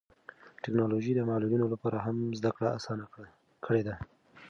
ټیکنالوژي د معلولینو لپاره هم زده کړه اسانه کړې ده.